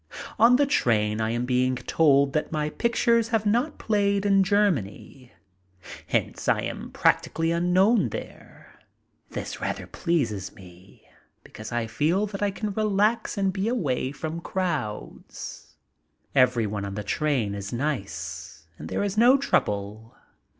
On the train I am being told that my pictures have not played in Germany, hence I am practically unknown there. This rather pleases me because I feel that I can relax and be away from crowds. Everyone on the train is nice and there is no trouble.